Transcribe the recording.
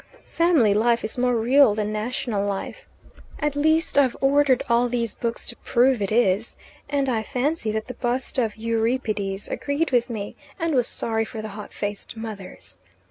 Family life is more real than national life at least I've ordered all these books to prove it is and I fancy that the bust of Euripides agreed with me, and was sorry for the hot faced mothers.